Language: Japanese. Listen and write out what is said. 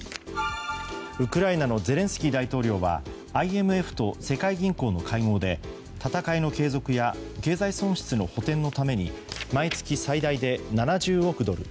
ウクライナのゼレンスキー大統領はＩＭＦと世界銀行の会合で戦いの継続や経済損失の補填のために毎月最大で７０億ドル